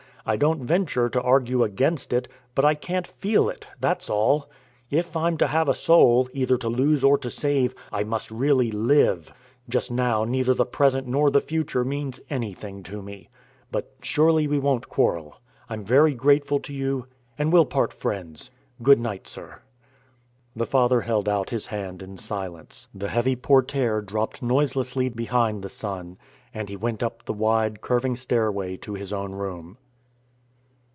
I don't venture to argue against it, but I can't feel it that's all. If I'm to have a soul, either to lose or to save, I must really live. Just now neither the present nor the future means anything to me. But surely we won't quarrel. I'm very grateful to you, and we'll part friends. Good night, sir." The father held out his hand in silence. The heavy portiere dropped noiselessly behind the son, and he went up the wide, curving stairway to his own room.